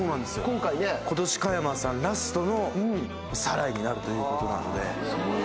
今年加山さんラストの『サライ』になるということなので。